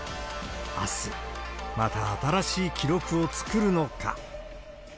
あす、また新しい記録を作るのか。